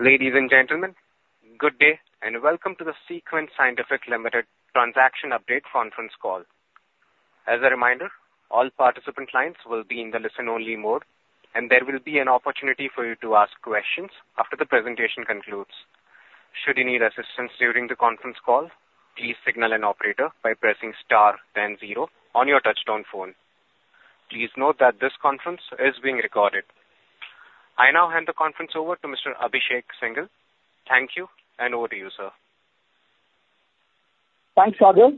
Ladies and gentlemen, good day, and welcome to the Sequent Scientific Limited transaction update conference call. As a reminder, all participant lines will be in the listen-only mode, and there will be an opportunity for you to ask questions after the presentation concludes. Should you need assistance during the conference call, please signal an operator by pressing star then zero on your touchtone phone. Please note that this conference is being recorded. I now hand the conference over to Mr. Abhishek Singhal. Thank you, and over to you, sir. Thanks, Raghav.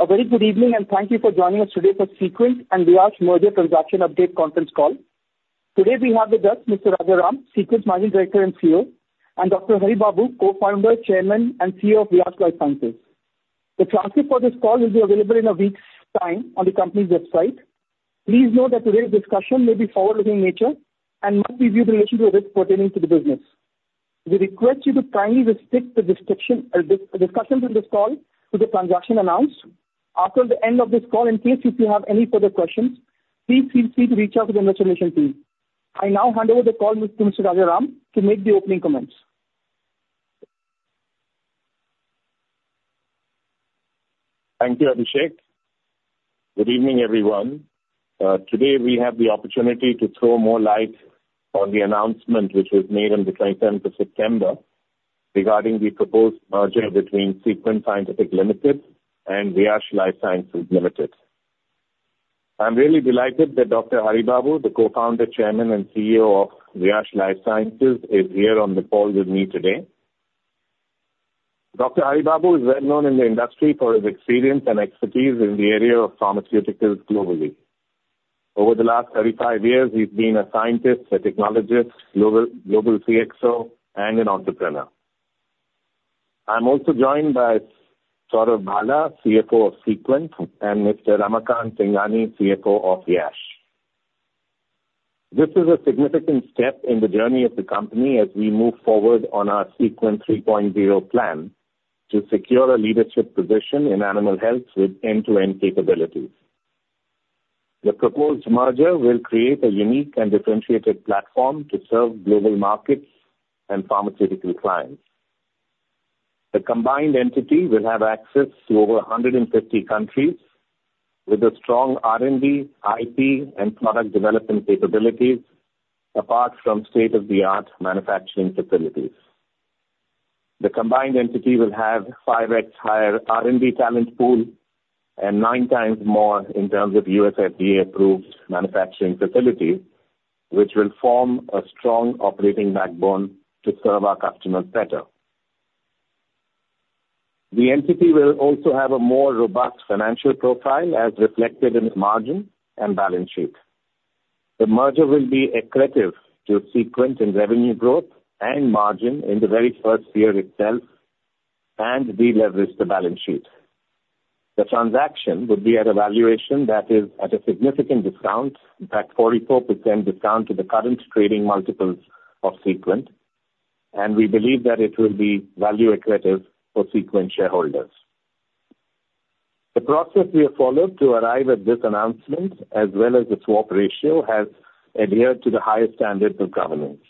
A very good evening, and thank you for joining us today for Sequent and Viyash merger transaction update conference call. Today, we have with us Mr. Rajaram, Sequent's Managing Director and CEO, and Dr. Hari Babu, Co-founder, Chairman, and CEO of Viyash Life Sciences. The transcript for this call will be available in a week's time on the company's website. Please note that today's discussion may be forward-looking in nature and must be viewed in relation to risks pertaining to the business. We request you to kindly restrict the discussions on this call to the transaction announced. After the end of this call, in case if you have any further questions, please feel free to reach out to the investor relation team. I now hand over the call to Mr. Rajaram to make the opening comments. Thank you, Abhishek. Good evening, everyone. Today, we have the opportunity to throw more light on the announcement which was made on the 27th of September regarding the proposed merger between Sequent Scientific Limited and Viyash Life Sciences Limited. I'm really delighted that Dr. Hari Babu, the co-founder, chairman, and CEO of Viyash Life Sciences, is here on the call with me today. Dr. Hari Babu is well known in the industry for his experience and expertise in the area of pharmaceuticals globally. Over the last 35 years, he's been a scientist, a technologist, global CXO, and an entrepreneur. I'm also joined by Saurav Bhalla, CFO of Sequent, and Mr. Ramakant Singani, CFO of Viyash. This is a significant step in the journey of the company as we move forward on our Sequent 3.0 plan to secure a leadership position in animal health with end-to-end capabilities. The proposed merger will create a unique and differentiated platform to serve global markets and pharmaceutical clients. The combined entity will have access to over 150 countries with a strong R&D, IP, and product development capabilities, apart from state-of-the-art manufacturing facilities. The combined entity will have 5x higher R&D talent pool and 9x more in terms of US FDA-approved manufacturing facilities, which will form a strong operating backbone to serve our customers better. The entity will also have a more robust financial profile as reflected in its margin and balance sheet. The merger will be accretive to Sequent in revenue growth and margin in the very first year itself and de-leverage the balance sheet. The transaction would be at a valuation that is at a significant discount, in fact, 44% discount to the current trading multiples of Sequent. We believe that it will be value accretive for Sequent shareholders. The process we have followed to arrive at this announcement, as well as the swap ratio, has adhered to the highest standards of governance.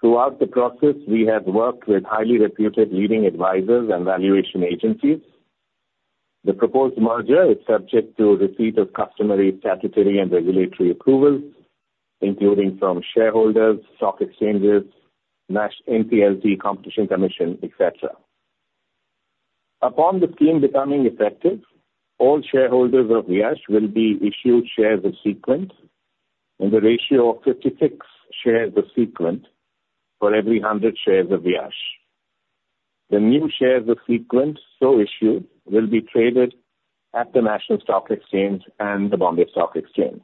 Throughout the process, we have worked with highly reputed leading advisors and valuation agencies. The proposed merger is subject to receipt of customary statutory and regulatory approvals, including from shareholders, stock exchanges, NCLT, Competition Commission, et cetera. Upon the scheme becoming effective, all shareholders of Viyash will be issued shares of Sequent in the ratio of 56 shares of Sequent for every 100 shares of Viyash. The new shares of Sequent so issued will be traded at the National Stock Exchange and the Bombay Stock Exchange.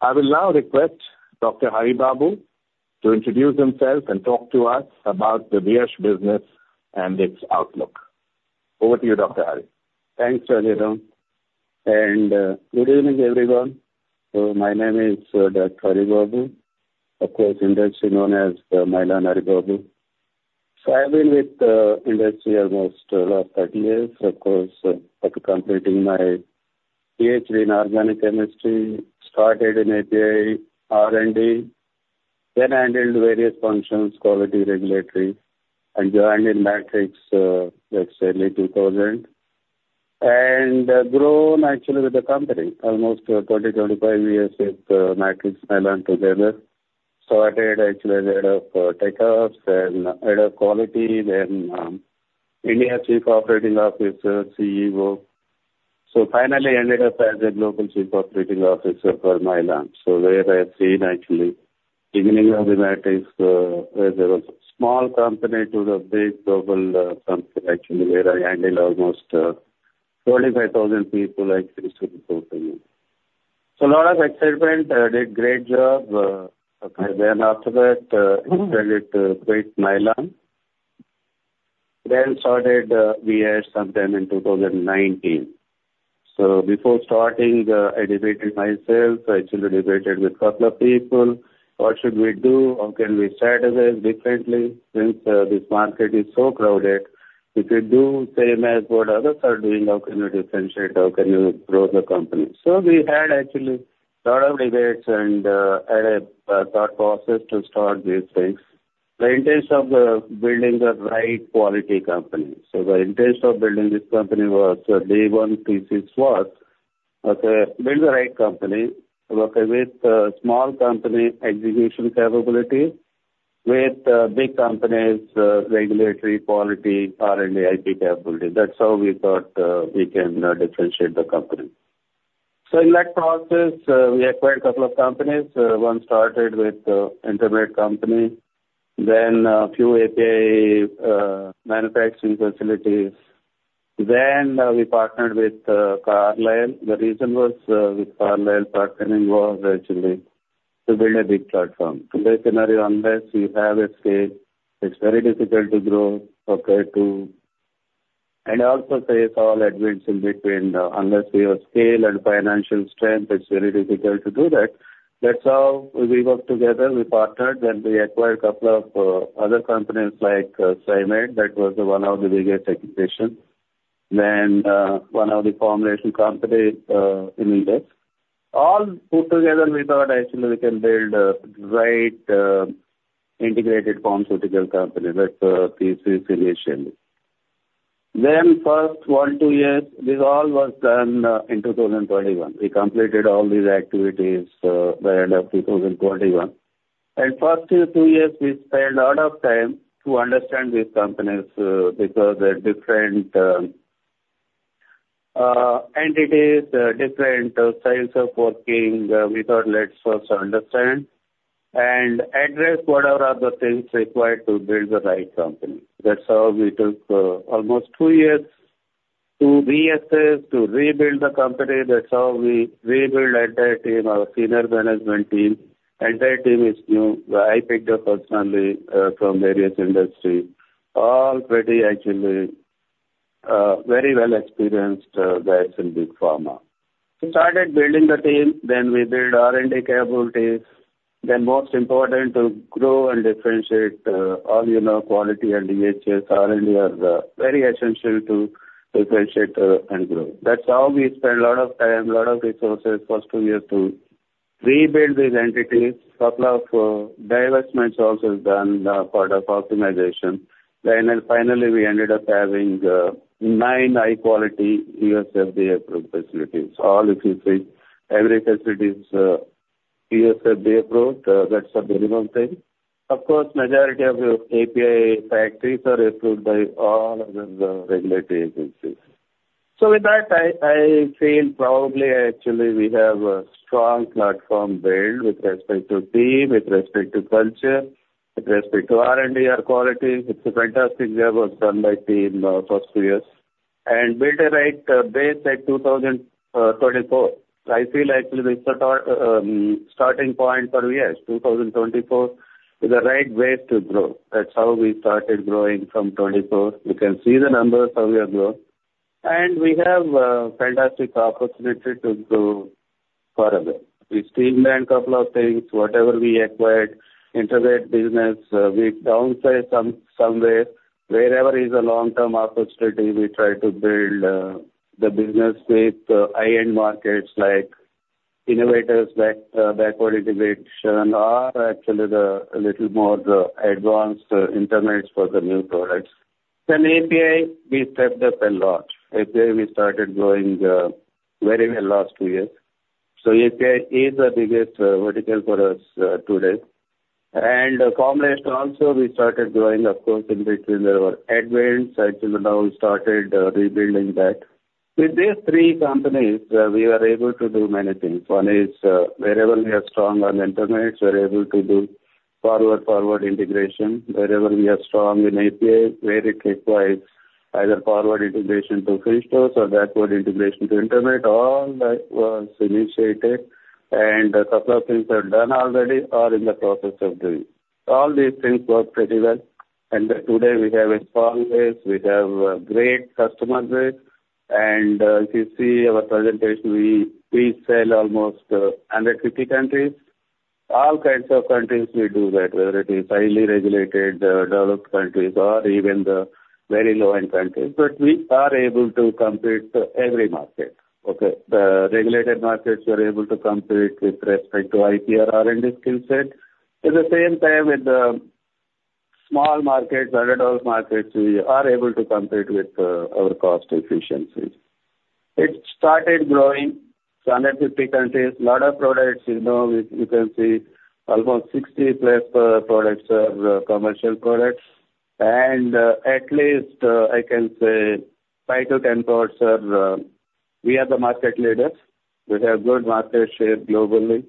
I will now request Dr. Hari Babu to introduce himself and talk to us about the Viyash business and its outlook. Over to you, Dr. Hari. Thanks, Rajaram. Good evening, everyone. My name is Dr. Hari Babu. Of course, in the industry I'm known as Mylan Hari Babu. I've been with the industry almost 30 years. Of course, after completing my PhD in organic chemistry, started in API R&D, then I handled various functions, quality, regulatory, and joined in Matrix, let's say, early 2000. Grown, actually, with the company, almost 20, 25 years with Matrix and Mylan together. Started actually as head of tech ops, then head of quality, then India chief operating officer, CEO. Finally ended up as a global chief operating officer for Mylan. Where I have seen actually beginning of the Matrix, where there was a small company to the big global company, actually, where I handled almost 45,000 people actually supporting it. A lot of excitement. I did a great job. After that, decided to quit Mylan. Started Viyash sometime in 2019. Before starting, I debated myself. I actually debated with a couple of people, what should we do? How can we strategize differently since this market is so crowded? If you do same as what others are doing, how can you differentiate? How can you grow the company? We had actually a lot of debates and had a thought process to start these things. The intent of building the right quality company. The intent of building this company was, day one, PCS was, build the right company. Work with a small company execution capabilities, with big companies, regulatory quality, R&D, IP capabilities. That's how we thought we can differentiate the company. In that process, we acquired a couple of companies. One started with intermediate company, then a few API manufacturing facilities. We partnered with Carlyle. The reason with Carlyle partnering was actually to build a big platform. In this scenario, unless you have a scale, it's very difficult to grow. Also survive all downturns in between. Unless you have scale and financial strength, it's very difficult to do that. That's how we worked together. We partnered, we acquired a couple of other companies like SciMed. That was one of the biggest acquisitions. One of the formulation companies, Inmedex. All put together, we thought actually we can build a right integrated pharmaceutical company. That's PCS initially. First one, two years, this all was done in 2021. We completed all these activities by end of 2021. First two years, we spent a lot of time to understand these companies because they're different entities, different styles of working. We thought let's first understand and address whatever are the things required to build the right company. That's how we took almost two years to reassess, to rebuild the company. That's how we rebuild entire team, our senior management team. Entire team is new. I picked up personally from various industry. All pretty, actually very well experienced guys in Big Pharma. We started building the team, then we build R&D capabilities. Then most important to grow and differentiate all quality and EHS, R&D are very essential to differentiate and grow. That's how we spend a lot of time, a lot of resources first two years to rebuild these entities. Couple of divestments also is done, part of optimization. Then finally, we ended up having nine high-quality USFDA-approved facilities. All if you see, every facility is USFDA-approved. That's the minimum thing. Majority of API factories are approved by all other regulatory agencies. With that, I feel probably, actually, we have a strong platform build with respect to team, with respect to culture, with respect to R&D or quality. It's a fantastic job was done by team first two years. Build the right base at 2024. I feel actually this starting point for, yes, 2024 is the right base to grow. That's how we started growing from 2024. You can see the numbers how we have grown. We have a fantastic opportunity to grow further. We streamlined couple of things. Whatever we acquired, integrate business, we downsize somewhere. Wherever is a long-term opportunity, we try to build the business with high-end markets like innovators, backward integration, or actually the little more advanced intermediates for the new products. API, we stepped up a lot. API, we started growing very well last two years. API is the biggest vertical for us today. Formulation also, we started growing, of course, in between our headwinds. Actually now we started rebuilding that. With these three companies, we are able to do many things. One is, wherever we are strong on intermediates, we are able to do forward integration. Wherever we are strong in API, where it requires either forward integration to finished dosage forms or backward integration to intermediates, all that was initiated and a couple of things are done already or in the process of doing. All these things work pretty well. Today we have a strong base. We have a great customer base. If you see our presentation, we sell almost 150 countries. All kinds of countries we do that, whether it is highly regulated, developed countries or even the very low-end countries. We are able to compete every market. Okay. The regulated markets, we are able to compete with respect to IP or R&D skill set. At the same time, with the small markets, underdeveloped markets, we are able to compete with our cost efficiencies. It started growing to 150 countries, lot of products. You can see almost 60 plus products are commercial products. At least I can say five to 10 products are, we are the market leaders. We have good market share globally.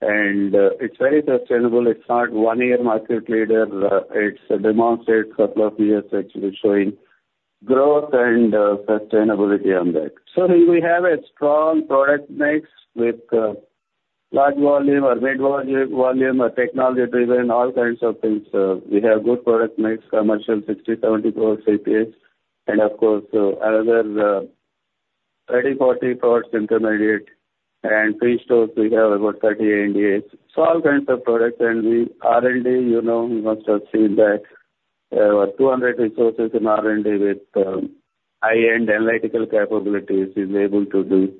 It's very sustainable. It's not one-year market leader. It's demonstrate couple of years actually showing growth and sustainability on that. We have a strong product mix with large volume or mid volume, or technology-driven, all kinds of things. We have good product mix, commercial 60, 70 products APIs. Of course, another 30, 40 products intermediate and pre-stores we have about 30 ANDAs. All kinds of products and R&D, you must have seen that about 200 resources in R&D with high-end analytical capabilities is able to do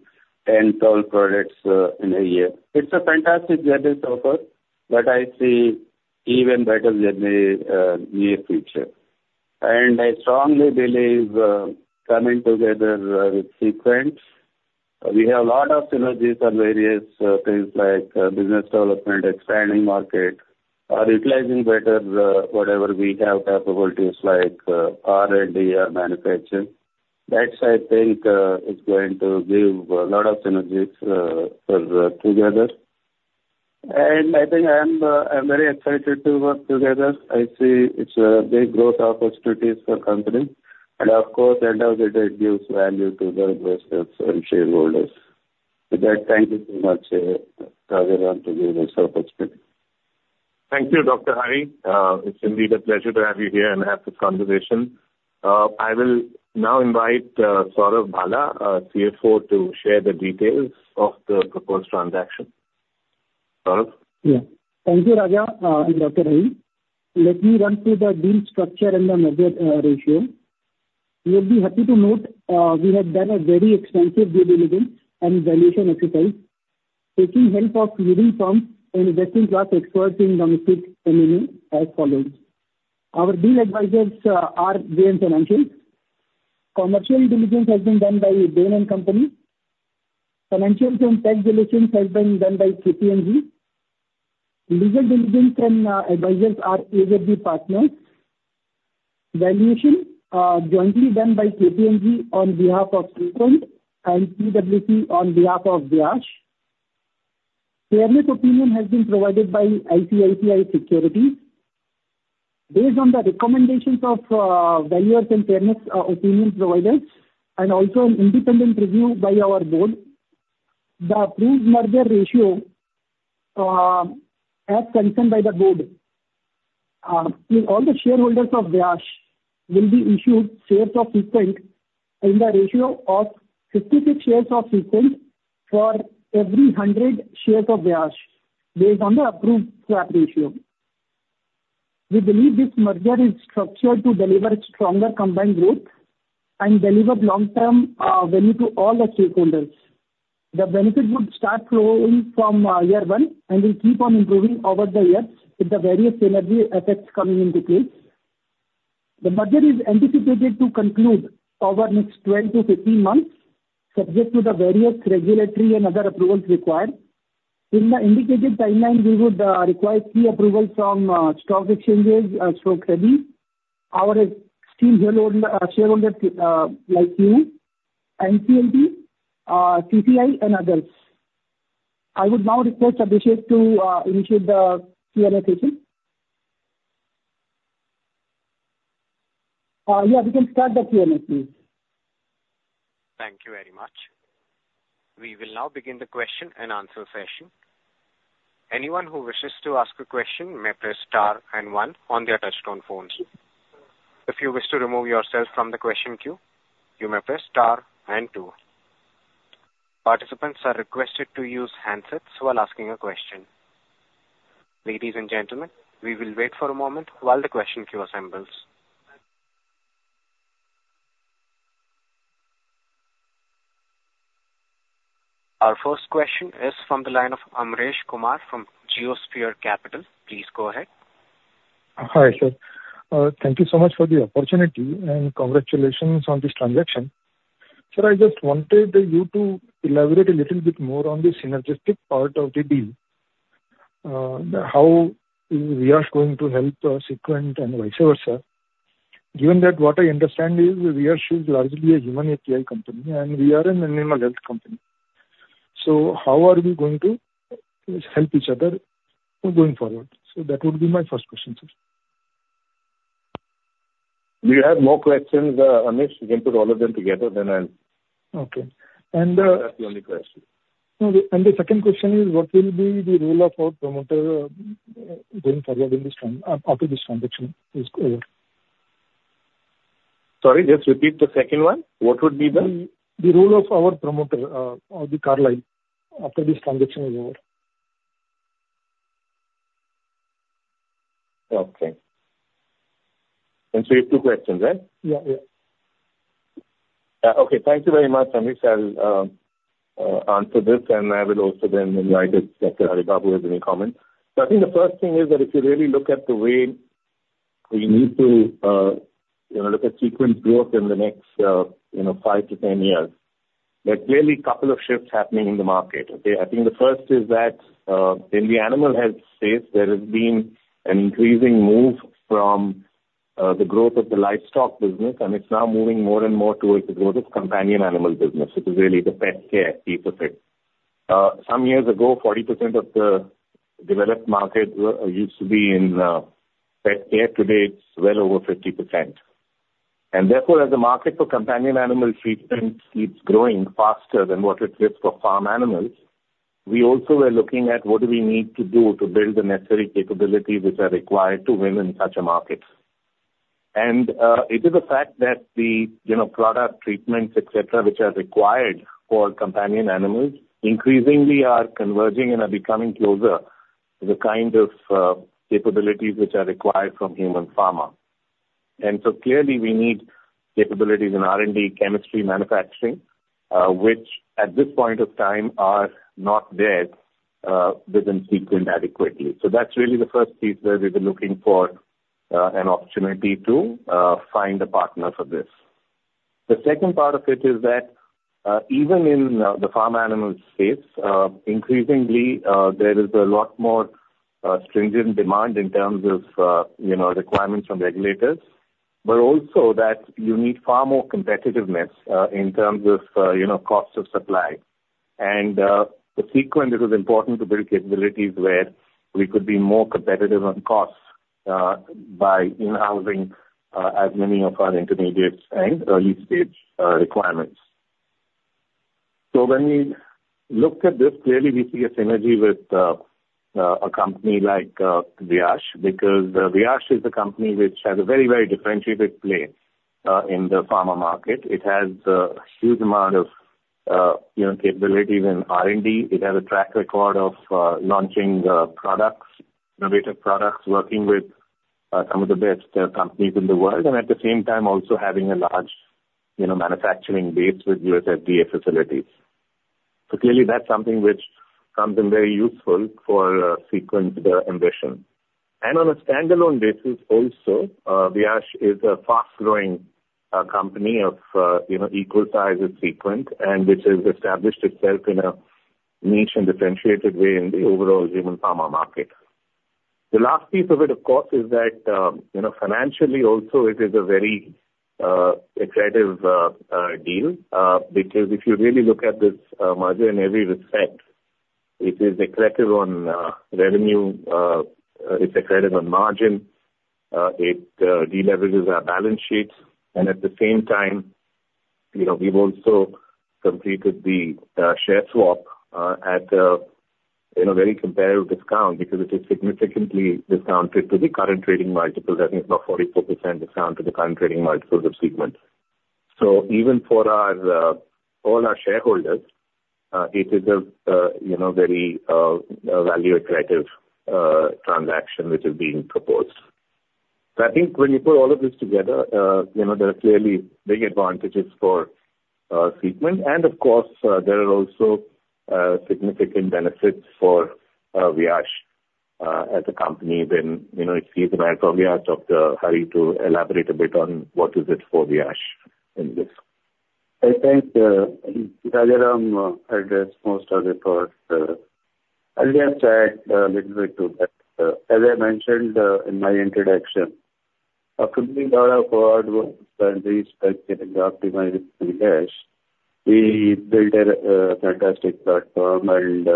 10, 12 products in a year. It's a fantastic journey so far, but I see even better journey near future. I strongly believe coming together with Sequent, we have a lot of synergies on various things like business development, expanding market, or utilizing better whatever we have capabilities like R&D or manufacturing. That I think is going to give a lot of synergies together. I think I'm very excited to work together. I see it's a big growth opportunities for company and of course at the end of the day it gives value to both of us and shareholders. With that, thank you so much, Rajan, to give this opportunity. Thank you, Dr. Hari. It's indeed a pleasure to have you here and have this conversation. I will now invite Saurav Bhalla, CFO to share the details of the proposed transaction. Saurabh. Yeah. Thank you, Rajan and Dr. Hari. Let me run through the deal structure and the merger ratio. You'll be happy to note we have done a very extensive due diligence and valuation exercise taking help of leading firms and best-in-class experts in domestic M&A as follows. Our deal advisors are JM Financial. Commercial diligence has been done by BDO & Company. Financial and tax diligence has been done by KPMG. Legal diligence and advisors are AZB & Partners. Valuation jointly done by KPMG on behalf of Sequent and PwC on behalf of Viyash. Fairness opinion has been provided by ICICI Securities. Based on the recommendations of valuer and fairness opinion providers and also an independent review by our board, the approved merger ratio, as concerned by the board, all the shareholders of Viyash will be issued shares of Sequent in the ratio of 56 shares of Sequent for every 100 shares of Viyash, based on the approved swap ratio. We believe this merger is structured to deliver stronger combined growth and deliver long-term value to all the stakeholders. The benefit would start flowing from year one and will keep on improving over the years with the various synergy effects coming into play. The merger is anticipated to conclude over next 12 to 15 months, subject to the various regulatory and other approvals required. In the indicated timeline, we would require key approval from stock exchanges, SEBI, our esteemed shareholder like you and NCLT, CCI and others. I would now request Abhishek to initiate the Q&A session. Yeah, we can start the Q&A please. Thank you very much. We will now begin the question and answer session. Our first question is from the line of Amresh Kumar from Geosphere Capital. Please go ahead. Hi, sir. Thank you so much for the opportunity, and congratulations on this transaction. Sir, I just wanted you to elaborate a little bit more on the synergistic part of the deal. How Viyash going to help Sequent and vice versa, given that what I understand is Viyash is largely a human API company and we are an animal health company. How are we going to help each other going forward? That would be my first question, sir. Do you have more questions, Amresh? You can put all of them together. Okay. If that's the only question. No. The second question is, what will be the role of our promoter going forward after this transaction is over? Sorry, just repeat the second one. What would be the? The role of our promoter, of the Carlyle after this transaction is over. Okay. You have two questions, right? Yeah. Thank you very much, Amresh. I'll answer this and I will also then invite if Dr. Haribabu has any comment. I think the first thing is that if you really look at the way we need to look at Sequent growth in the next 5-10 years, there are clearly couple of shifts happening in the market. I think the first is that in the animal health space, there has been an increasing move from the growth of the livestock business and it's now moving more and more towards the growth of companion animal business. It is really the pet care piece of it. Some years ago, 40% of the developed market used to be in pet care, today it's well over 50%. Therefore, as the market for companion animal treatment keeps growing faster than what it is for farm animals, we also were looking at what do we need to do to build the necessary capabilities which are required to win in such a market. It is a fact that the product treatments, et cetera, which are required for companion animals, increasingly are converging and are becoming closer to the kind of capabilities which are required from human pharma. Clearly we need capabilities in R&D, chemistry, manufacturing, which at this point of time are not there within Sequent adequately. That's really the first piece, that we've been looking for an opportunity to find a partner for this. The second part of it is that even in the farm animals space, increasingly there is a lot more stringent demand in terms of requirements from regulators. Also that you need far more competitiveness in terms of cost of supply. For Sequent, it was important to build capabilities where we could be more competitive on costs by in-housing as many of our intermediates and early-stage requirements. When we look at this, clearly we see a synergy with a company like Viyash, because Viyash is a company which has a very differentiated place in the pharma market. It has a huge amount of capabilities in R&D. It has a track record of launching innovative products, working with some of the best companies in the world, and at the same time also having a large manufacturing base with US FDA facilities. Clearly that's something which comes in very useful for Sequent's ambition. On a standalone basis also, Viyash is a fast-growing company of equal size as Sequent, and which has established itself in a niche and differentiated way in the overall human pharma market. The last piece of it, of course, is that financially also it is a very attractive deal because if you really look at this merger in every respect, it is accretive on revenue, it's accretive on margin, it de-leverages our balance sheets and at the same time, we've also completed the share swap at a very comparative discount because it is significantly discounted to the current trading multiples. I think it's about 44% discount to the current trading multiples of Sequent. Even for all our shareholders, it is a very value-accretive transaction which is being proposed. I think when you put all of this together, there are clearly big advantages for Sequent, and of course, there are also significant benefits for Viyash as a company when it sees an I'll call Viyash Doctor Hari to elaborate a bit on what is it for Viyash in this. I think Rajaram addressed most of it, but I'll just add a little bit to that. As I mentioned in my introduction, after doing a lot of hard work and research and optimizing Viyash, we built a fantastic platform and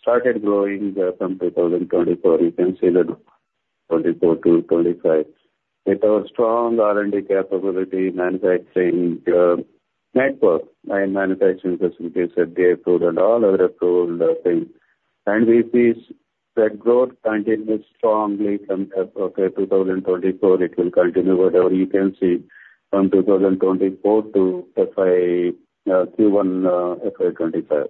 started growing from 2024. You can see that 2024 to 2025. With our strong R&D capability, manufacturing network and manufacturing facilities, FDA approved and all other approved things. We see that growth continued strongly from FY 2024. It will continue, whatever you can see, from 2024 to Q1 FY 2025.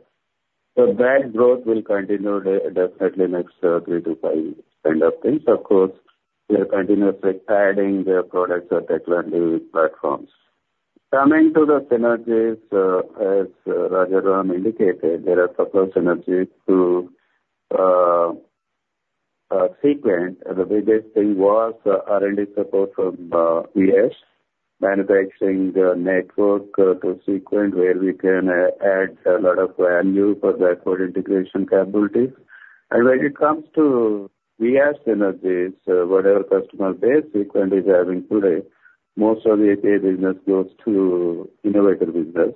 That growth will continue definitely next three to five years, kind of things. Of course, we are continuously adding products or technology platforms. Coming to the synergies, as Rajaram indicated, there are several synergies to Sequent. The biggest thing was R&D support from Viyash, manufacturing network to Sequent where we can add a lot of value for backward integration capabilities. When it comes to Viyash synergies, whatever customer base Sequent is having today, most of the API business goes to innovator business.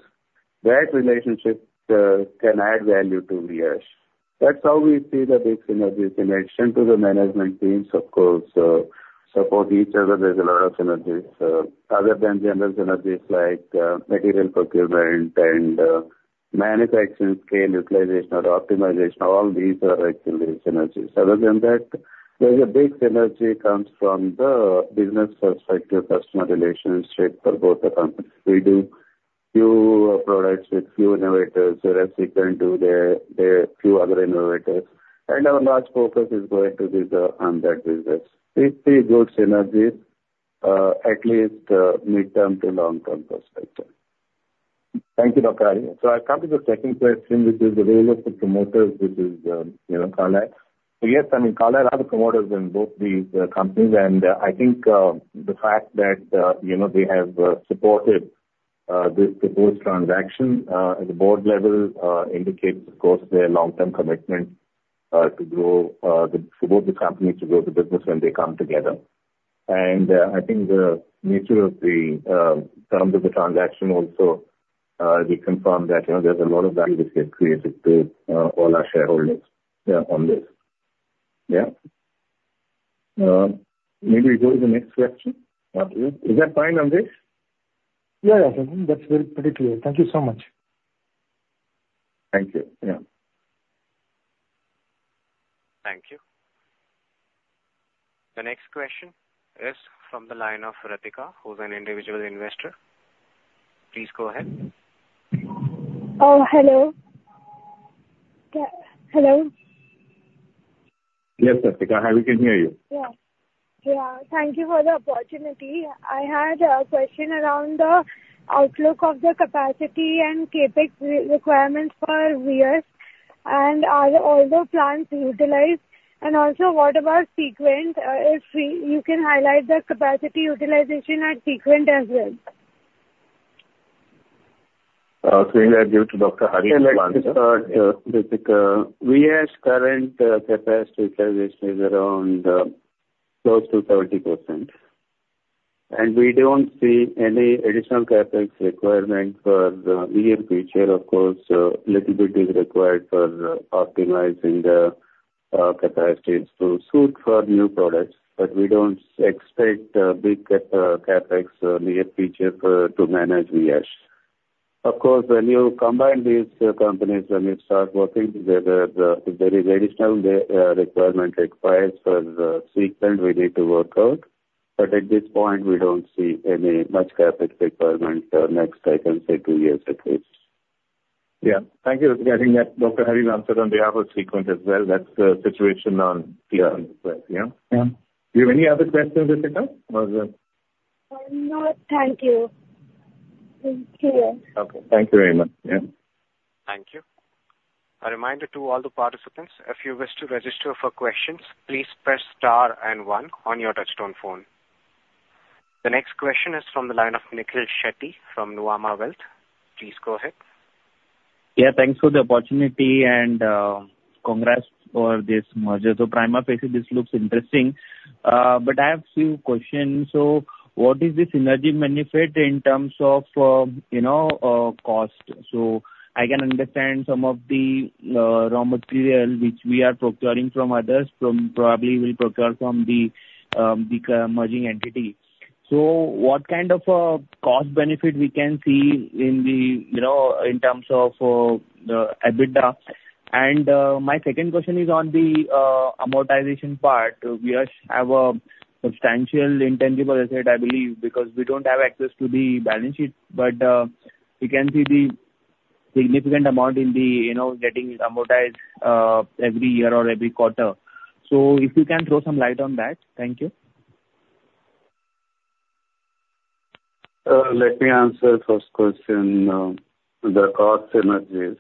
That relationship can add value to Viyash. That's how we see the big synergies. In addition to the management teams, of course, support each other. There's a lot of synergies other than general synergies like material procurement and manufacturing scale utilization or optimization. All these are actually synergies. Other than that, there's a big synergy comes from the business perspective, customer relationship for both the companies. We do few products with few innovators, whereas Sequent do their few other innovators, our large focus is going to be on that business. We see good synergies, at least midterm to long-term perspective. Thank you, Dr. Hari. I come to the second question, which is the role of the promoters, which is Carlyle. Yes, I mean, Carlyle are the promoters in both these companies, and I think the fact that they have supported this proposed transaction at the board level indicates, of course, their long-term commitment for both the companies to grow the business when they come together. I think the nature of the terms of the transaction also reconfirm that there's a lot of value which gets created to all our shareholders on this. Yeah. Maybe we go to the next question. Is that fine on this? Yeah. That's very pretty clear. Thank you so much. Thank you. Yeah. The next question is from the line of Ratika, who's an individual investor. Please go ahead. Oh, hello. Hello? Yes, Ratika. Hi, we can hear you. Yeah. Thank you for the opportunity. I had a question around the outlook of the capacity and CapEx requirements for Viyash and are all the plants utilized? Also, what about Sequent? If you can highlight the capacity utilization at Sequent as well. I think I give to Dr. Hari. Let me start, Ratika. Viyash current capacity utilization is around close to 30%. We don't see any additional CapEx requirement for the near future. Of course, a little bit is required for optimizing the capacities to suit for new products. We don't expect a big CapEx in the near future to manage Viyash. Of course, when you combine these companies, when you start working together, if there is additional requirement required for Sequent, we need to work out. At this point, we don't see any much CapEx requirement for next, I can say two years at least. Yeah. Thank you, Ratika. I think that Dr. Hari answered on behalf of Sequent as well. That's the situation. Yeah. Yeah. Yeah. Do you have any other questions, Ratika? No, thank you. Thank you. Okay. Thank you very much. Yeah. Thank you. The next question is from the line of Nikhil Shetty from Nuvama Wealth. Please go ahead. Yeah. Thanks for the opportunity and congrats for this merger. Prima facie, this looks interesting. I have few questions. What is the synergy benefit in terms of cost? I can understand some of the raw material which we are procuring from others probably will procure from the emerging entity. What kind of a cost benefit we can see in terms of the EBITDA? My second question is on the amortization part. Viyash have a substantial intangible asset, I believe, because we don't have access to the balance sheet, but we can see the significant amount getting amortized every year or every quarter. If you can throw some light on that. Thank you. Let me answer first question, the cost synergies.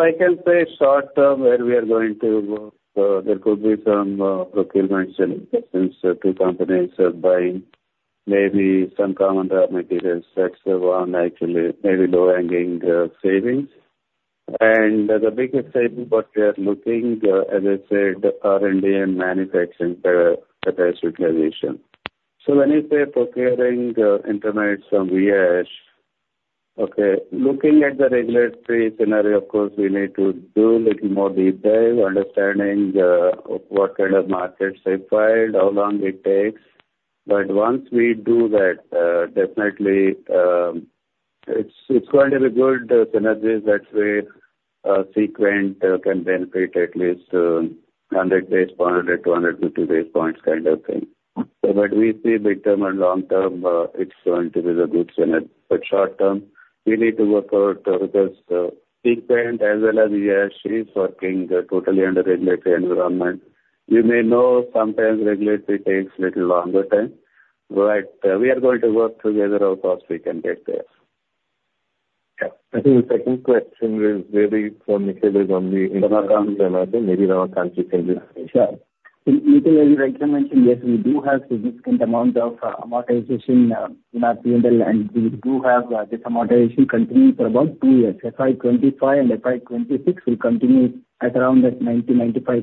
I can say short term where we are going to work, there could be some procurement synergies since 2 companies are buying maybe some common raw materials. That's one actually, maybe low-hanging savings. The biggest saving what we are looking, as I said, are Indian manufacturing capacity utilization. When you say procuring intermediates from Viyash, okay, looking at the regulatory scenario, of course, we need to do little more deep dive, understanding what kind of markets required, how long it takes. Once we do that, definitely, it's going to be good synergies that way. Sequent can benefit at least 100 basis points or 200-200 basis points kind of thing. We see midterm and long term, it's going to be the good synergy. Short term, we need to work out because Sequent as well as Viyash is working totally under regulatory environment. You may know sometimes regulatory takes little longer time, but we are going to work together how fast we can get there. Yeah. I think the second question is maybe for Nikhil is. Maybe Ramakant can take it. Sure. Nikhil, as you rightly mentioned, yes, we do have significant amount of amortization in our P&L, and we do have this amortization continuing for about two years. FY 2025 and FY 2026 will continue at around that 90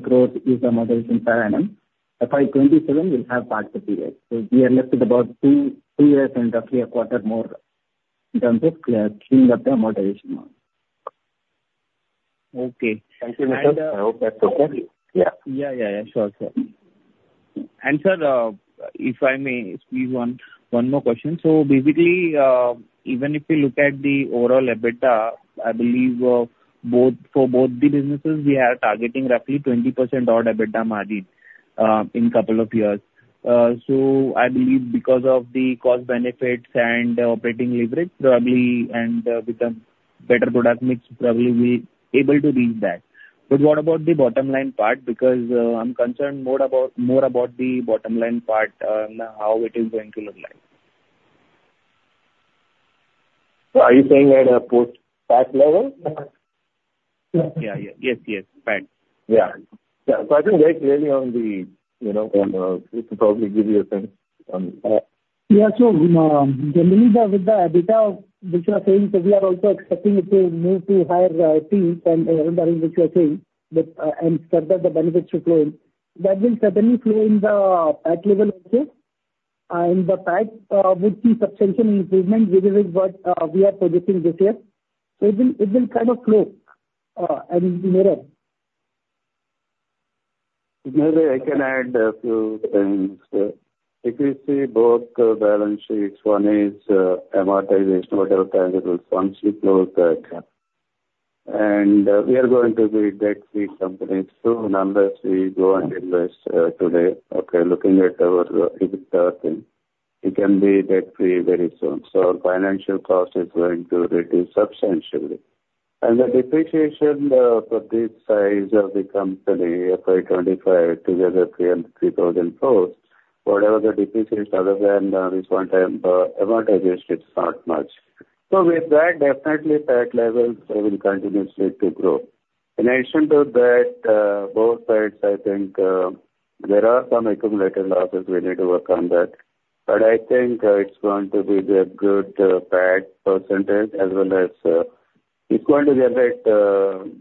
crore, 95 crore is the amortization per annum. FY 2027 will have back to period. We are left with about three years and roughly a quarter more in terms of cleaning up the amortization model. Okay. Thank you, Nikhil. I hope that's okay. Yeah. Sure. Sir, if I may, please one more question. Basically, even if you look at the overall EBITDA, I believe, for both the businesses, we are targeting roughly 20% odd EBITDA margin in couple of years. I believe because of the cost benefits and operating leverage probably, and with the better product mix, probably we able to reach that. What about the bottom line part? I'm concerned more about the bottom line part, how it is going to look like. Are you saying at a post-tax level? Yeah. Yes. Tax. Yeah. I think that's really on the, Venu, you could probably give your sense on that. Yeah. Generally with the EBITDA which we are saying, we are also expecting it to move to higher teens and under in which you are saying, and further the benefits should flow in. That will certainly flow in the PAT level also. In the PAT, we'll see substantial improvement, which is what we are projecting this year. It will kind of flow and mirror. Maybe I can add a few things. If you see both balance sheets, one is amortization, whatever tangibles, once you close the account. We are going to be a debt-free company. Numbers we go and invest today. Okay, looking at our EBITDA thing, it can be debt-free very soon. Our financial cost is going to reduce substantially. The depreciation for the size of the company FY 2025 together three and 3,000 fourth, whatever the depreciation other than this one-time amortization, it's not much. With that, definitely PAT levels will continuously grow. In addition to that, both sides, I think there are some accumulated losses. We need to work on that, but I think it's going to be a good PAT percentage as well as it's going to generate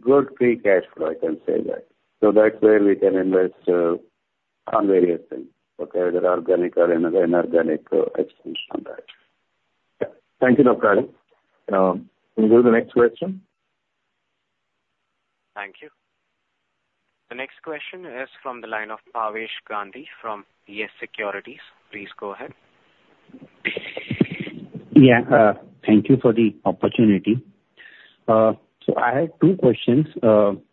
good free cash flow, I can say that. That's where we can invest on various things. Okay. Whether organic or inorganic expansion on that. Yeah. Thank you, Dr. Hari. Can you go to the next question? Thank you. The next question is from the line of Bhavesh Gandhi from YES Securities. Please go ahead. Yeah. Thank you for the opportunity. I have two questions,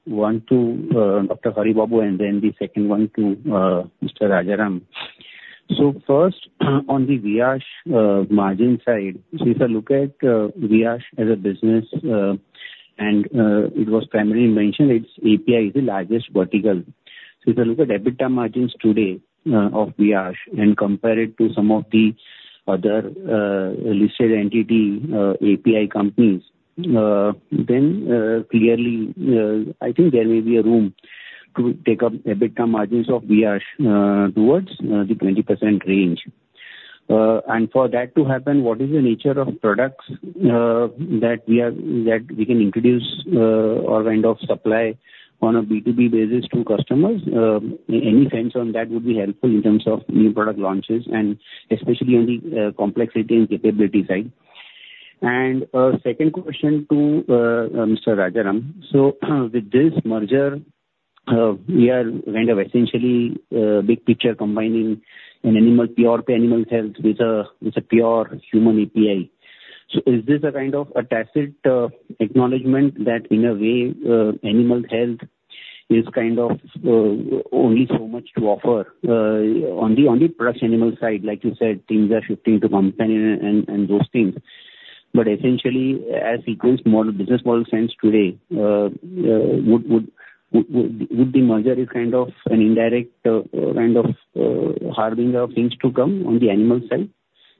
one to Dr. Hari Babu, and then the second one to Mr. Rajaram. First on the Viyash margin side. If I look at Viyash as a business, and it was primarily mentioned, its API is the largest vertical. If you look at EBITDA margins today of Viyash and compare it to some of the other listed entity API companies, then clearly I think there may be a room to take up EBITDA margins of Viyash towards the 20% range. For that to happen, what is the nature of products that we can introduce or kind of supply on a B2B basis to customers? Any sense on that would be helpful in terms of new product launches and especially on the complexity and capability side. Second question to Mr. Rajaram. With this merger, we are kind of essentially big picture combining an animal, pure animal health with a pure human API. Is this a kind of a tacit acknowledgement that in a way animal health is kind of only so much to offer on the product animal side, like you said, things are shifting to companion and those things. Essentially as equals business model stands today, would the merger is kind of an indirect kind of harbinger of things to come on the animal side?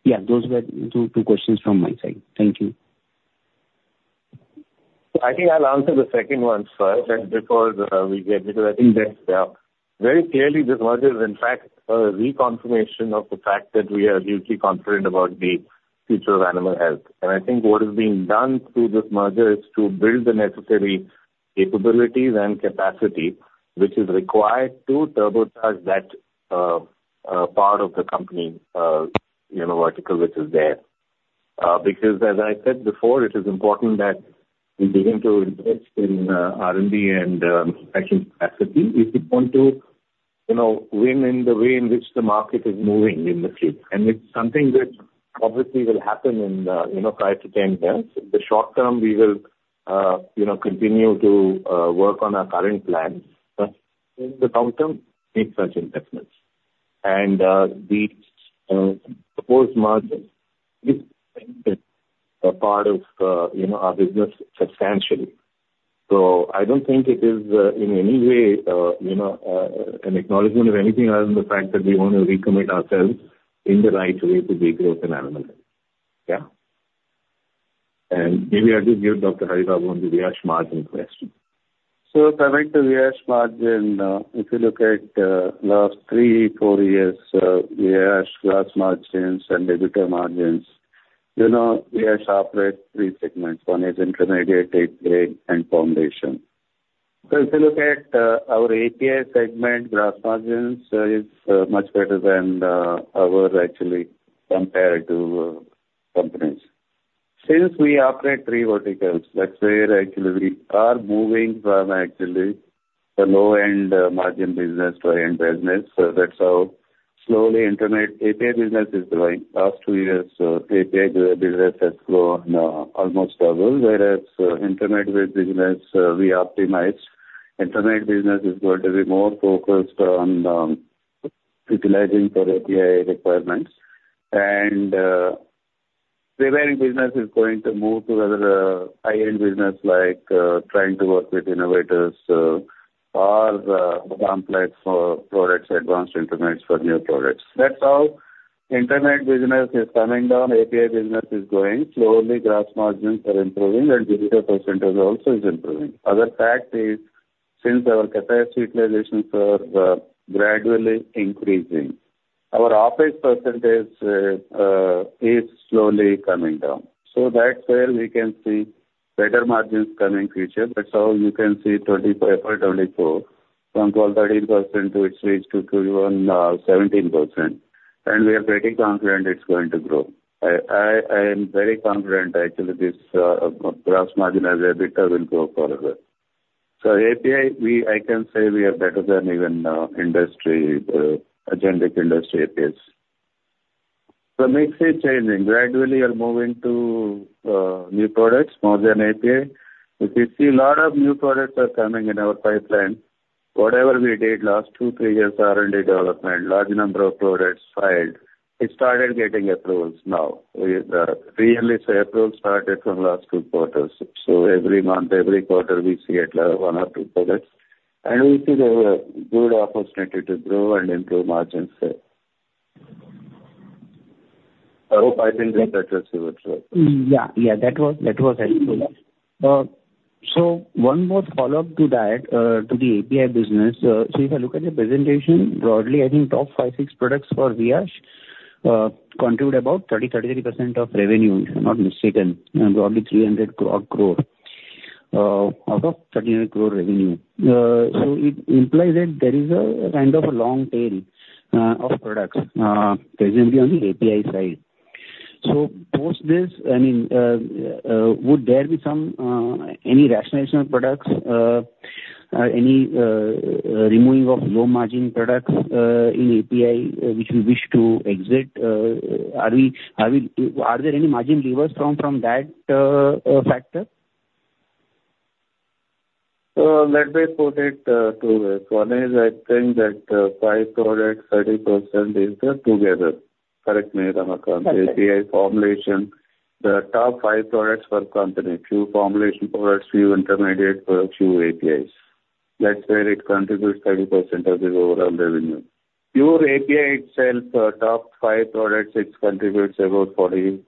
Yeah, those were two questions from my side. Thank you. I think I'll answer the second one first just because I think that's very clearly this merger is in fact a reconfirmation of the fact that we are hugely confident about the future of animal health. I think what is being done through this merger is to build the necessary capabilities and capacity which is required to turbocharge that part of the company, vertical which is there. As I said before, it is important that we begin to invest in R&D and manufacturing capacity if we want to win in the way in which the market is moving in the future. It's something that obviously will happen in five to 10 years. In the short term, we will continue to work on our current plans. In the long term, we need such investments. The proposed merger is a part of our business substantially. I don't think it is in any way an acknowledgement of anything other than the fact that we want to recommit ourselves in the right way to the growth in animal health. Yeah. Maybe I just give Dr. Hari Babu on the Viyash margin question. Coming to Viyash margin, if you look at last three, four years, Viyash gross margins and EBITDA margins, Viyash operate three segments. One is intermediates, finished dosage forms and API. If you look at our API segment, gross margins is much better than ours actually compared to companies. Since we operate three verticals, that's where actually we are moving from actually the low-end margin business to high-end business. That's how slowly intermediate API business is growing. Past two years API business has grown almost double, whereas intermediate business we optimize. Intermediate business is going to be more focused on utilizing for API requirements. Remaining business is going to move to rather high-end business like trying to work with innovators or complex products, advanced intermediates for new products. That's how intermediate business is coming down. API business is growing. Slowly gross margins are improving and EBITDA percentage also is improving. Other fact is, since our capacity utilizations are gradually increasing, our OPEX percentage is slowly coming down. That's where we can see better margins coming future. That's how you can see FY 2024 from 12, 13% to it's reached to even 17%. We are pretty confident it's going to grow. I am very confident actually this gross margin as EBITDA will grow further. API, I can say we are better than even generic industry APIs. Mix is changing. Gradually, we are moving to new products more than API. If you see a lot of new products are coming in our pipeline. Whatever we did last two, three years, R&D development, large number of products filed, we started getting approvals now. Really, approvals started from last two quarters. Every month, every quarter, we see at least one or two products, and we see the good opportunity to grow and improve margins there. I hope I think that answers your question. Yeah. That was helpful. One more follow-up to that, to the API business. If I look at the presentation, broadly, I think top five, six products for Viyash contribute about 30%-33% of revenue, if I'm not mistaken, and broadly 300 crore out of 700 crore revenue. It implies that there is a kind of a long tail of products presently on the API side. Post this, would there be any rationalization of products? Any removing of low margin products in API, which you wish to exit? Are there any margin levers from that factor? Let me put it two ways. One is I think that five products, 30% is the two together. Correct me if I'm wrong. API formulation, the top five products for the company, few formulation products, few intermediates, few APIs. That's where it contributes 30% of the overall revenue. Pure API itself, top five products, it contributes about 40%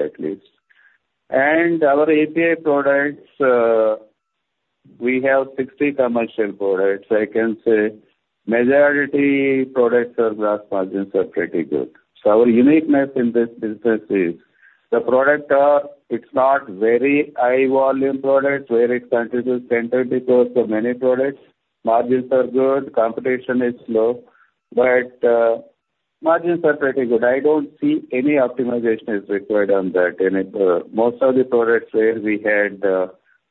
at least. Our API products, we have 60 commercial products. I can say majority products are gross margins are pretty good. Our uniqueness in this business is the product, it's not very high volume product where it contributes 10%, 20% for many products. Margins are good, competition is low, but margins are pretty good. I don't see any optimization is required on that. Most of the products where we had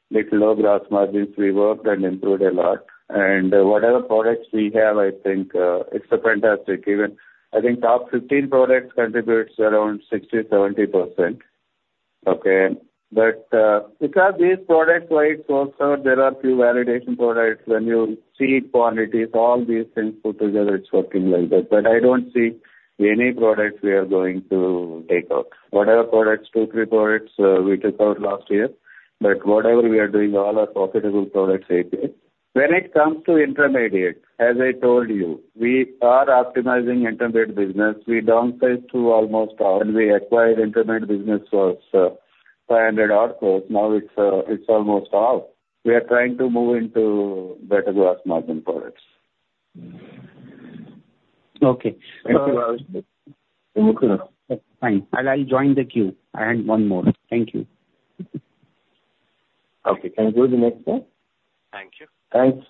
little low gross margins, we worked and improved a lot. Whatever products we have, I think it's fantastic. Even, I think top 15 products contributes around 60%, 70%. Okay. Because these products wide spread out, there are few validation products. When you see quantities, all these things put together, it's working like that. I don't see any products we are going to take out. Whatever products, two, three products we took out last year, whatever we are doing, all are profitable products APIs. When it comes to intermediates, as I told you, we are optimizing intermediate business. We downsized to almost all. When we acquired intermediate business was 500 odd crore. Now it's almost all. We are trying to move into better gross margin products. Okay. Thank you. Fine. I'll join the queue. I had one more. Thank you. Okay. Can you go to the next slide? Thank you. Thanks.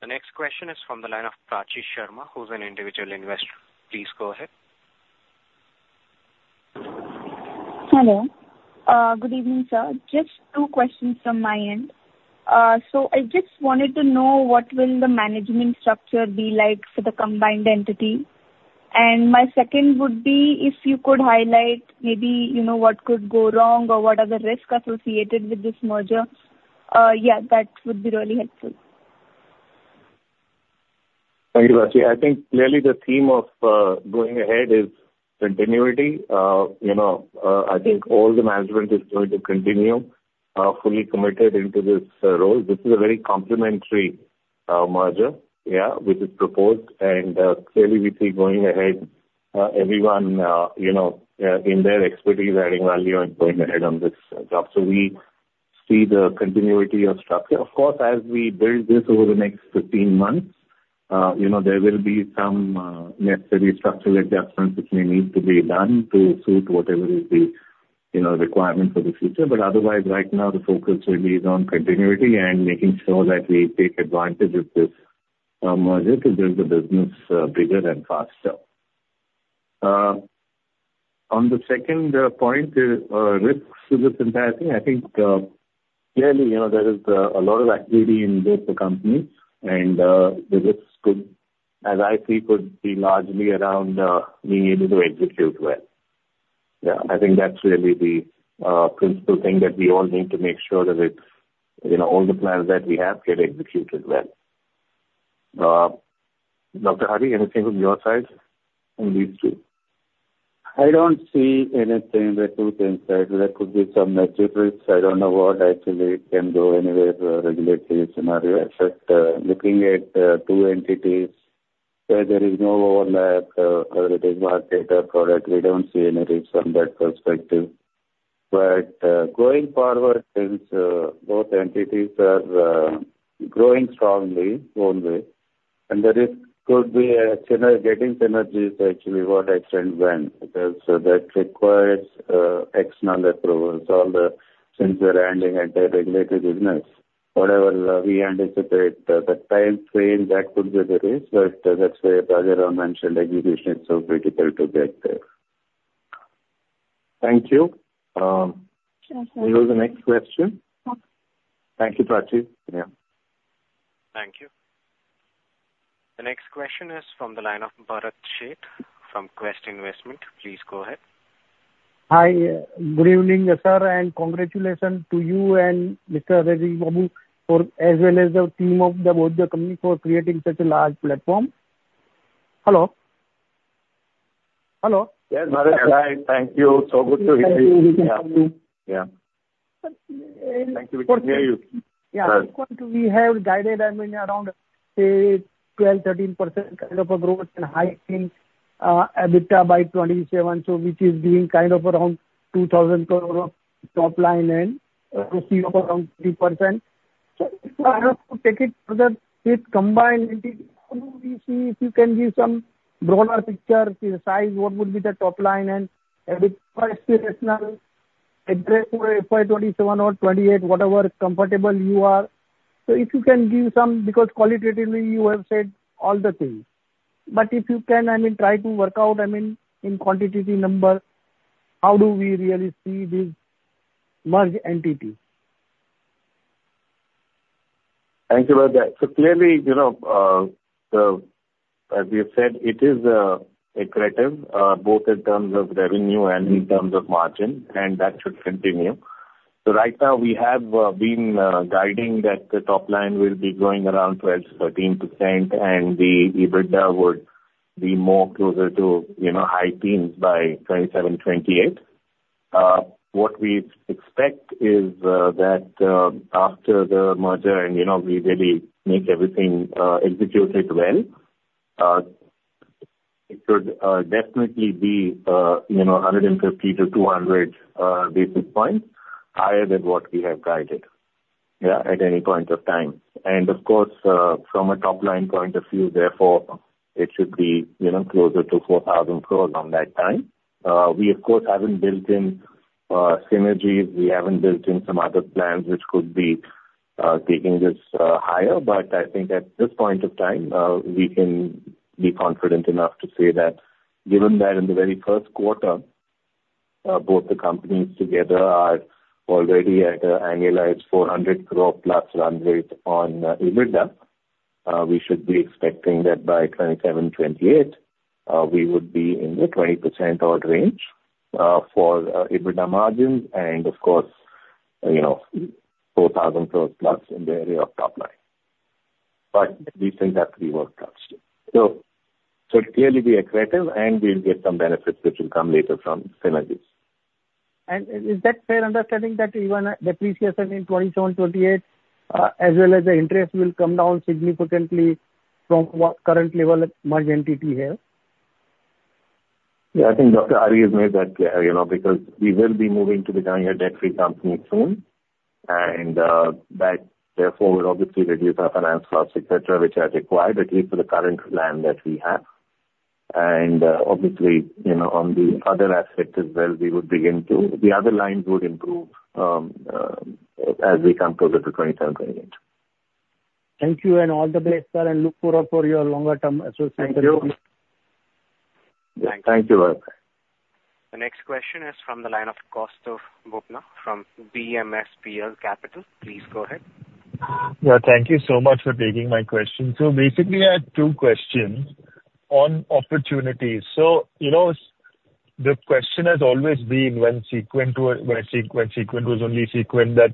The next question is from the line of Prachi Sharma, who is an individual investor. Please go ahead. Hello. Good evening, sir. Just two questions from my end. I just wanted to know what will the management structure be like for the combined entity? My second would be if you could highlight maybe what could go wrong or what are the risks associated with this merger. Yeah, that would be really helpful. Thank you, Prachi. I think clearly the theme of going ahead is continuity. I think all the management is going to continue, fully committed into this role. This is a very complimentary merger, yeah, which is proposed and clearly we see going ahead, everyone in their expertise adding value and going ahead on this job. We see the continuity of structure. Of course, as we build this over the next 15 months, there will be some necessary structural adjustments which may need to be done to suit whatever is the requirement for the future. Otherwise, right now the focus will be on continuity and making sure that we take advantage of this merger to build the business bigger and faster. On the second point, risks to this entire thing. I think, clearly, there is a lot of activity in both the companies, and the risks could, as I see, could be largely around being able to execute well. Yeah, I think that's really the principal thing that we all need to make sure that all the plans that we have get executed well. Dr. Hari, anything from your side on these two? I don't see anything that could impact. There could be some material risks. I don't know what actually can go anywhere regulatory scenario. Looking at two entities where there is no overlap, whether it is market or product, we don't see any risk from that perspective. Going forward, since both entities are growing strongly own way, and the risk could be getting synergies actually what extent when, because that requires external approvals. Since we're handling anti-regulatory business, whatever we anticipate the time frame, that could be the risk. That's where Rajaram mentioned execution is so critical to get there. Thank you. Can we go to the next question? Okay. Thank you, Prachi. Thank you. The next question is from the line of Bharat Sheth from Quest Investment. Please go ahead. Hi. Good evening, sir, and congratulations to you and Mr. Haribabu Bodepudi, as well as the team of both the companies for creating such a large platform. Hello? Hello? Yes, Bharat. Hi. Thank you. Good to hear you. Thank you. Good to see you. Yeah. Thank you. We can hear you. Yeah. We have guided around, say, 12%-13% kind of a growth and high teens EBITDA by 2027. Which is being around 2,000 crore of top line and a 20% or around 3%. If I have to take it further with combined entity, how do we see, if you can give some broader picture, size, what would be the top line and EBITDA for FY 2027 or FY 2028, whatever comfortable you are. If you can give some, because qualitatively you have said all the things. If you can try to work out in quantitative number, how do we really see this merged entity? Thank you, Bharat. Clearly, as we have said, it is accretive, both in terms of revenue and in terms of margin, and that should continue. Right now we have been guiding that the top line will be growing around 12%-13% and the EBITDA would be more closer to high teens by 2027, 2028. What we expect is that after the merger and we really make everything executed well, it should definitely be 150-200 basis points higher than what we have guided, yeah, at any point of time. Of course, from a top-line point of view, therefore it should be closer to 4,000 crore around that time. We, of course, haven't built in synergies. We haven't built in some other plans which could be taking this higher. I think at this point of time, we can be confident enough to say that given that in the very first quarter, both the companies together are already at annualized 400 crore-plus run rate on EBITDA. We should be expecting that by 2027, 2028, we would be in the 20%-odd range for EBITDA margins and of course, 4,000 crore plus in the area of top line. These things have to be worked out still. It'll clearly be accretive and we'll get some benefits which will come later from synergies. Is that fair understanding that even depreciation in 2027, 2028 as well as the interest will come down significantly from what current level merged entity has? Yeah, I think Dr. Hari has made that clear, because we will be moving to becoming a debt-free company soon, and that therefore will obviously reduce our finance costs, et cetera, which are required at least for the current plan that we have. Obviously, on the other aspect as well, the other lines would improve as we come closer to 2027, 2028. Thank you and all the best, sir, and look for your longer-term association. Thank you. Yeah. Thank you, Bharat. The next question is from the line of Kaustubh Bhutra from VMSPL Capital. Please go ahead. Yeah, thank you so much for taking my question. Basically, I had two questions on opportunities. The question has always been when Sequent was only Sequent that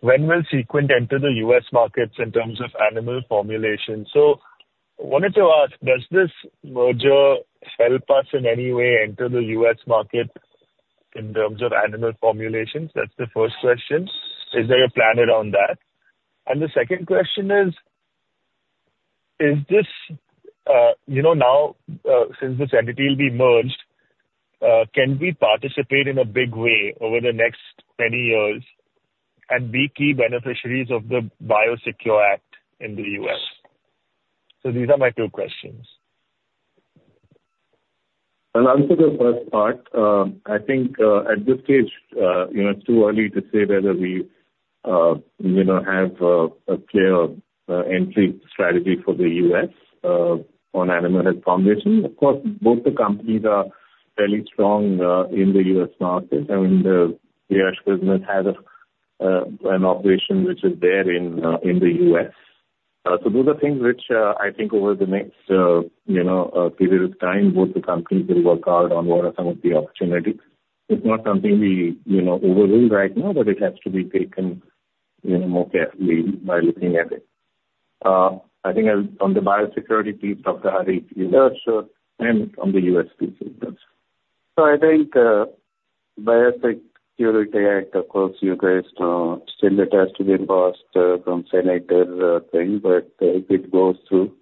when will Sequent enter the U.S. markets in terms of animal formulation? I wanted to ask, does this merger help us in any way enter the U.S. market in terms of animal formulations? That's the first question. Is there a plan around that? The second question is, now since this entity will be merged, can we participate in a big way over the next many years and be key beneficiaries of the BIOSECURE Act in the U.S.? These are my two questions. Answer the first part. I think, at this stage, it's too early to say whether we have a clear entry strategy for the U.S. on animal health formulation. Of course, both the companies are fairly strong in the U.S. market. I mean, the Viyash business has an operation which is there in the U.S. Those are things which I think over the next period of time, both the companies will work hard on what are some of the opportunities. It's not something we overlook right now, but it has to be taken more carefully by looking at it. I think on the biosecurity piece, Dr. Hari will answer and on the U.S. piece he will answer. I think BIOSECURE Act, of course, you guys know still it has to be passed from senator thing. If it goes through,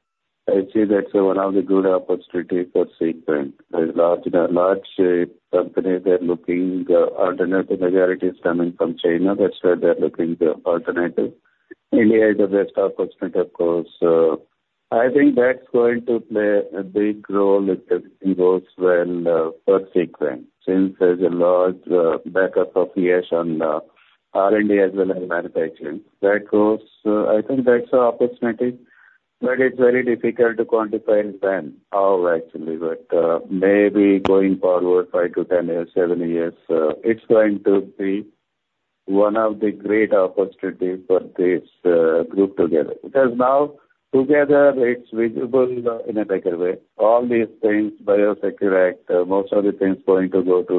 I'd say that's one of the good opportunity for Sequent. There is large companies, they're looking alternative. Majority is coming from China. That's why they're looking the alternative. India is the best alternative, of course. I think that's going to play a big role if everything goes well for Sequent since there's a large backup of Viyash on R&D as well as manufacturing. I think that's the opportunity, but it's very difficult to quantify when or how, actually. Maybe going forward 5-10 years, seven years, it's going to be one of the great opportunities for this group together. Now together it's visible in a better way. All these things, BIOSECURE Act, most of the things going to go to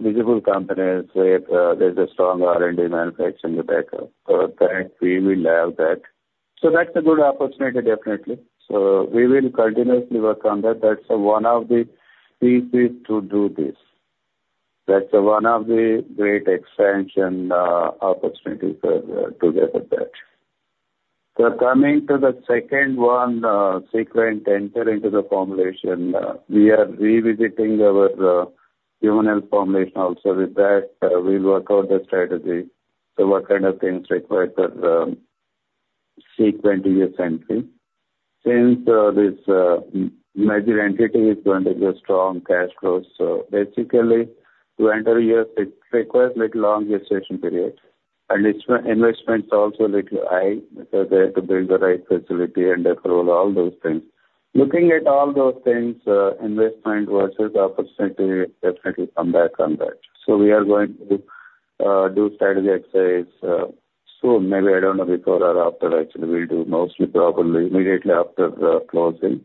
visible companies where there's a strong R&D manufacturing backup. For that, we will have that. That's a good opportunity, definitely. We will continuously work on that. That's one of the pieces to do this. That's one of the great expansion opportunities to get with that. Coming to the second one, Sequent entering into the formulation, we are revisiting our human health formulation also. With that, we'll work out the strategy. What kind of things required for Sequent U.S. entry? Since this merger entity is going to be a strong cash flow. Basically, to enter here, it requires little long registration period, and its investment is also a little high because they have to build the right facility and approve all those things. Looking at all those things, investment versus opportunity, definitely come back on that. We are going to do strategy exercises soon. Maybe, I don't know, before or after actually, we'll do mostly probably immediately after the closing.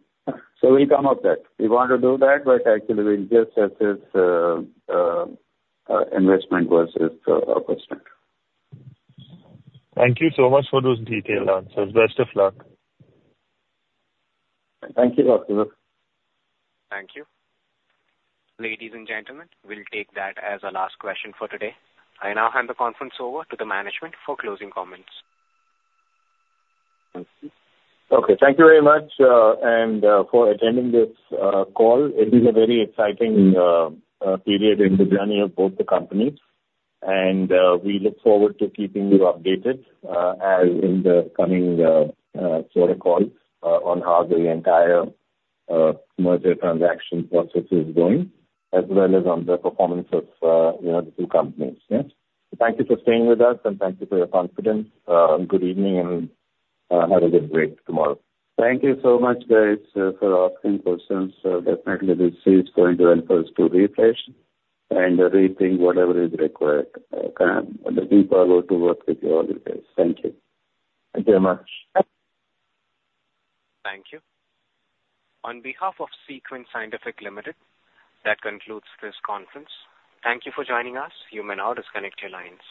We'll come up that. We want to do that, actually we'll just assess investment versus opportunity. Thank you so much for those detailed answers. Best of luck. Thank you, Kaustubh. Thank you. Ladies and gentlemen, we'll take that as our last question for today. I now hand the conference over to the management for closing comments. Okay. Thank you very much. For attending this call. It is a very exciting period in the journey of both the companies, and we look forward to keeping you updated as in the coming quarter calls on how the entire merger transaction process is going, as well as on the performance of the two companies. Thank you for staying with us, and thank you for your confidence. Good evening, and have a good day tomorrow. Thank you so much, guys, for asking questions. Definitely this is going to help us to refresh and rethink whatever is required. Looking forward to work with you all again. Thank you. Thank you very much. Thank you. On behalf of Viyash Scientific Limited, that concludes this conference. Thank you for joining us. You may now disconnect your lines.